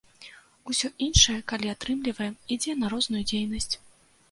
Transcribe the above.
Усё іншае, калі атрымліваем, ідзе на розную дзейнасць.